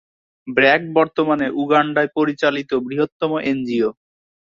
ব্র্যাক বর্তমানে উগান্ডায় পরিচালিত বৃহত্তম এনজিও।